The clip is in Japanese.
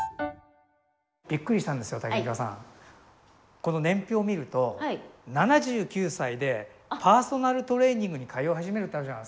この年表を見ると７９歳で「パーソナルトレーニングに通い始める」ってあるじゃないですか。